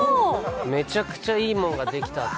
めちゃくちゃいいもんができたって。